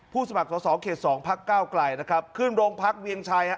ผู้สมัครสอบสอบเขต๒พัก๙ไกลนะครับขึ้นโรงพักเวียงชัย